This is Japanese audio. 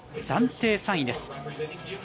暫定３位です。